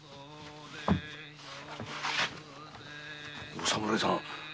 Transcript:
お侍さん。